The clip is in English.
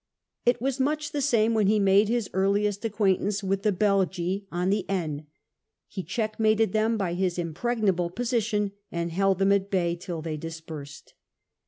It was much the same when he made his earliest acquaint ance with the Belgm on the Aisne. He checkmated them by his impregnable position, and held them at bay till they dispersed.